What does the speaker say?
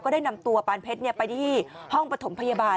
ได้นำตัวปานเพชรไปที่ห้องปฐมพยาบาล